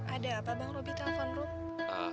ada apa bang robi telepon rum